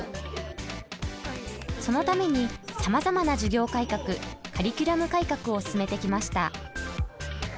そのためにさまざまな授業改革カリキュラム改革を進めてきました。